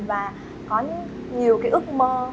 và có nhiều cái ước mơ